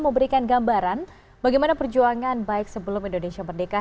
memberikan gambaran bagaimana perjuangan baik sebelum indonesia merdeka